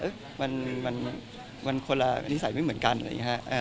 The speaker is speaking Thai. เอ๊ะมันคนละนิสัยไม่เหมือนกันเลยครับ